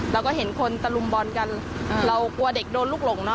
เราก็เห็นคนตะลุมบอลกันเรากลัวเด็กโดนลูกหลงเนอ